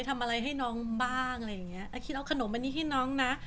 ทำอะไรให้น้องบ้างอาคินเอาขนมอันนี้ให้น้องนะ